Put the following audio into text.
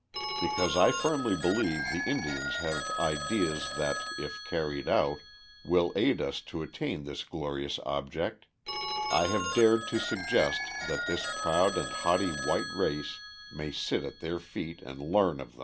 Because I firmly believe the Indians have ideas that, if carried out, will aid us to attain this glorious object, I have dared to suggest that this proud and haughty white race may sit at their feet and learn of them.